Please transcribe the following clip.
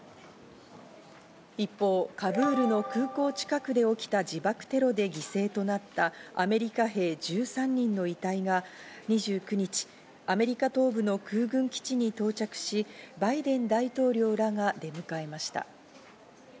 一方、カブールの空港近くで起きた自爆テロで犠牲となったアメリカ兵１３人の遺体が１９日アメリカ東部の空軍基地に到着し、バイデン大統領らが出迎えました。